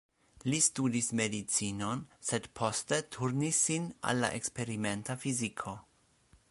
Li studis medicinon, sed poste turnis sin al la eksperimenta fiziko.